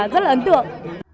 rất là ấn tượng